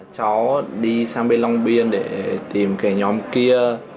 cháu đi sang bên long biên để tìm cái nhóm kia